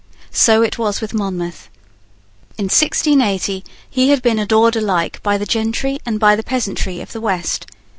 So it was with Monmouth. In 1680, he had been adored alike by the gentry and by the peasantry of the West.